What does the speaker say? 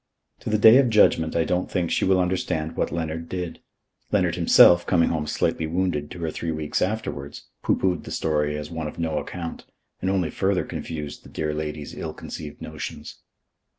To the Day of Judgment I don't think she will understand what Leonard did. Leonard himself, coming home slightly wounded two or three weeks afterwards, pooh poohed the story as one of no account and only further confused the dear lady's ill conceived notions.